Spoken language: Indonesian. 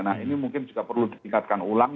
nah ini mungkin juga perlu ditingkatkan ulang